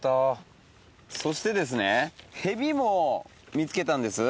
そしてヘビも見つけたんです。